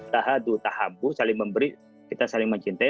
taha du tahabu saling memberi kita saling mencintai